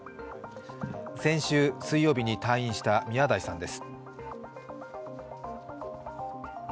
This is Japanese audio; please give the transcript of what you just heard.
先週水曜日に退院した宮台さんです。